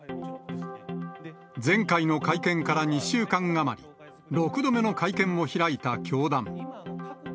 前回の会見から２週間余り、６度目の会見を開いた教団。